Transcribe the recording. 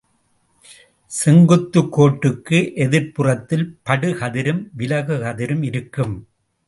செங்குத்துக் கோட்டுக்கு எதிர்ப்புறத்தில் படுகதிரும் விலகுகதிரும் இருக்கும்.